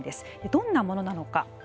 どんなものなのか。